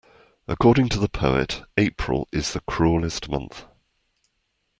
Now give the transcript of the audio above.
According to the poet, April is the cruellest month